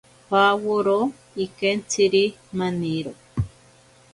Paworo ikentziri maniro.